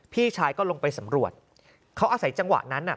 พี่ชายก็ลงไปสำรวจเขาอาศัยจังหวะนั้นน่ะ